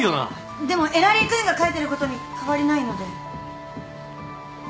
でもエラリー・クイーンが書いてることに変わりないので。